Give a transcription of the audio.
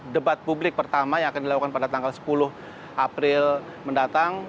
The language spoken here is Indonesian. debat publik pertama yang akan dilakukan pada tanggal sepuluh april mendatang